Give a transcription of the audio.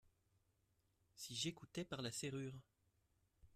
Si j’écoutais par la serrure ?…